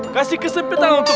kasih kesempatan untuk